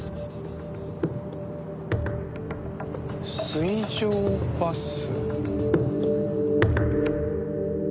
「水上バス」。